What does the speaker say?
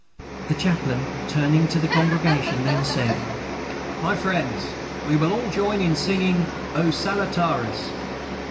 The Chaplain, turning to the congregation, then said: "My friends, we will all join in singing the O Salutaris."